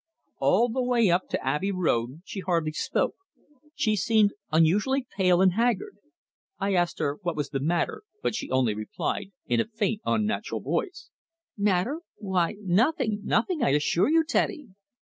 All the way up to Abbey Road she hardly spoke. She seemed unusually pale and haggard. I asked her what was the matter, but she only replied in a faint, unnatural voice "Matter? Why nothing nothing, I assure you, Teddy!"